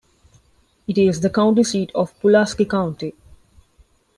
It is the county seat of Pulaski County.